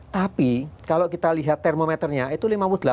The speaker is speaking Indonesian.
tapi kalau kita lihat termometernya itu lima puluh delapan